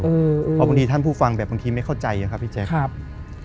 เพราะพอบนที่ท่านผู้ฟังบางทีไม่เข้าใจนะครับพี่เจ้ง